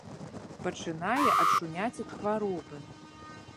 Пачынае ачуняць ад хваробы.